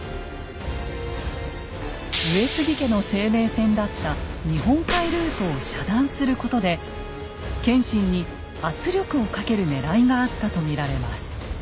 上杉家の生命線だった日本海ルートを遮断することで謙信に圧力をかけるねらいがあったと見られます。